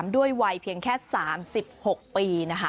ด้วยวัยเพียงแค่๓๖ปี